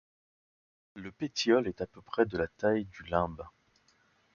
Le pétiole est à peu près de la taille du limbe.